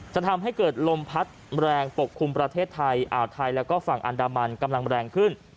จะทำให้เกิดลมพัดแรงปกคลุมประเทศไทยอ่าวไทยแล้วก็ฝั่งอันดามันกำลังแรงขึ้น